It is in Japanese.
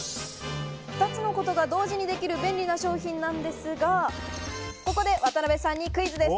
２つのことが同時にできる便利な商品なんですが、ここで渡邊さんにクイズです。